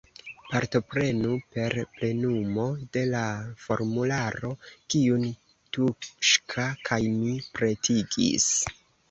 Partoprenu per plenumo de la formularo, kiun Tuŝka kaj mi pretigis.